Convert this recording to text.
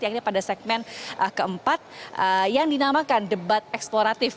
yakni pada segmen keempat yang dinamakan debat eksploratif